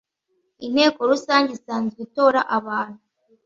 Inteko rusange isanzwe itora abantu